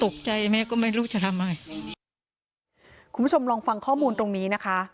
คุณผู้ชมลองฟังข้อมูลตรงนี้นะคะ